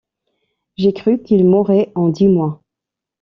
J’ai cru qu’il mourrait en dix mois.